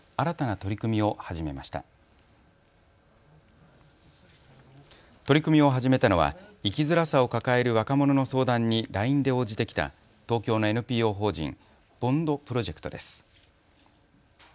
取り組みを始めたのは生きづらさを抱える若者の相談にＬＩＮＥで応じてきた東京のＮＰＯ法人、ＢＯＮＤプロジェクトです。